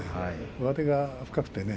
上手が深くてね。